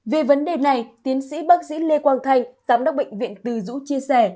về vấn đề này tiến sĩ bác sĩ lê quang thanh giám đốc bệnh viện từ dũ chia sẻ